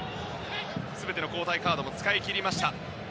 全ての交代カードも使い切りました。